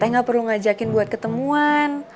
saya nggak perlu ngajakin buat ketemuan